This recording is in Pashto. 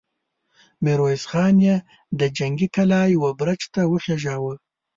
ميرويس خان يې د جنګي کلا يوه برج ته وخېژاوه!